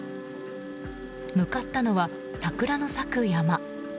向かったのは桜の咲く山。